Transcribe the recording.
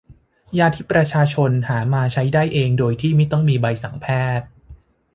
ยาที่ประชาชนหามาใช้ได้เองโดยไม่ต้องมีใบสั่งแพทย์